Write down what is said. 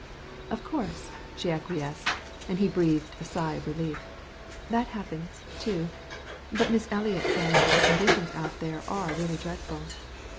"Of course," she acquiesced, and he breathed a sigh of relief. "That happens, too, but Miss Eliot says that the conditions out there are really dreadful."